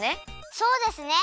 そうですね。